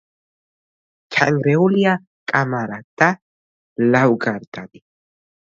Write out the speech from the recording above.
ჩანგრეულია კამარა და ლავგარდანი.